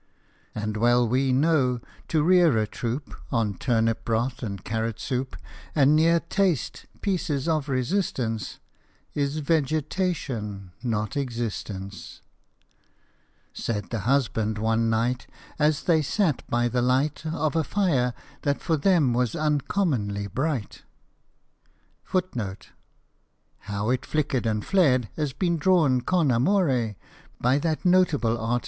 And well we know, to rear a troop On turnip broth and carrot soup, And ne'er taste " pieces of resistance," Is vegetation, not existence ! Said the husband one night As they sat by the light Of a fire that for them was uncommonly bright,* " My dear, we have got One carrot and not A single scrap more to put into the pot.